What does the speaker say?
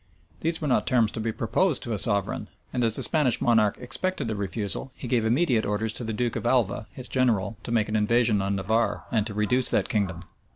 These were not terms to be proposed to a sovereign; and as the Spanish monarch expected a refusal, he gave immediate orders to the duke of Alva, his general, to make an invasion on Navarre, and to reduce that kingdom.